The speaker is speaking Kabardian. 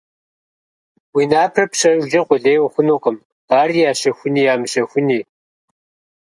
Уи напэр пщэжкӀэ къулей ухъунукъым, ари ящэхуни-ямыщэхуни.